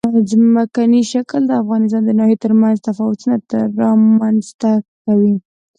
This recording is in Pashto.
ځمکنی شکل د افغانستان د ناحیو ترمنځ تفاوتونه رامنځ ته کوي.